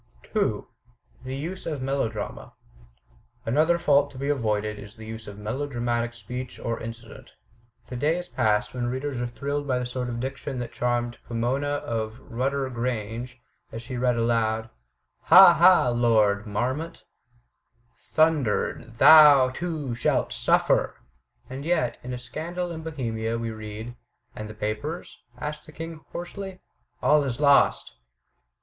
2. The Use of Melodrama Another fault to be avoided is the use of melodramatic speech or incident. The day is past when readers are thrilled FURTHER ADVICES 309 by the sort of diction that charmed Pomona of '* Rudder Grange," as she read aloud, "Ha — Ha — Lord — Marmont — thundered — thou — too — shalt — suffer!" And yet, in '*A Scandal in Bohemia" we read: "'And the papers?' asked the king, hoarsely; 'all is lost!'